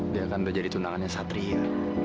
biarkan bekerja di tunangannya satria